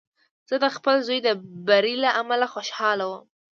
زه د خپل زوی د بري له امله خوشحاله وم.